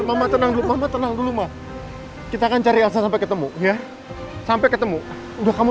mama tenang dulu mama tenang dulu mah kita akan cari asa sampai ketemu ya sampai ketemu udah kamu